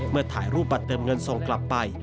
ถ่ายรูปบัตรเติมเงินส่งกลับไป